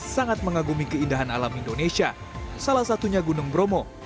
sangat mengagumi keindahan alam indonesia salah satunya gunung bromo